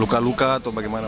luka luka atau bagaimana